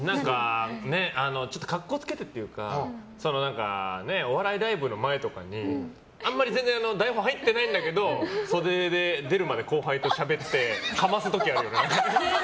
ちょっと格好つけてっていうかお笑いライブの前とかに全然台本とか入ってないんだけど袖で出るまで、後輩としゃべってかます時あるよな。